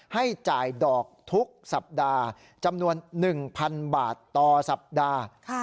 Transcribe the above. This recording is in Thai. ให้จ่ายดอกทุกสัปดาห์จำนวน๑๐๐๐บาทต่อสัปดาห์